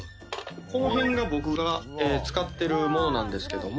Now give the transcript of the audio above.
この辺が僕が使ってるものなんですけども。